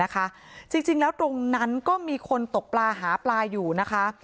จริงแล้วตรงนั้นก็มีคนตกปลาหาปลาอยู่นะคะ